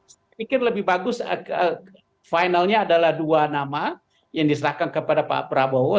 saya pikir lebih bagus finalnya adalah dua nama yang diserahkan kepada pak prabowo